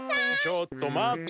ちょっと待っと！